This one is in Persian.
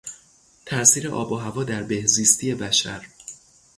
تاثیر آب و هوا در بهزیستی بشر